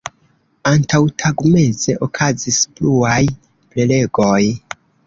Antaŭtagmeze okazis pluaj prelegoj.